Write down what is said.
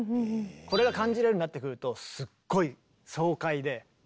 これが感じられるようになってくるとすっごい爽快で熱狂的になってくる。